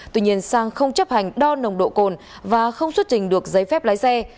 tuy nhiên sang không chấp hành đo nồng độ cồn và không xuất trình được giấy phép lái xe